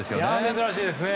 珍しいですね。